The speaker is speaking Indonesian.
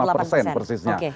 enam puluh lima persen persisnya